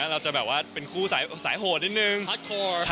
สายห่วงเลย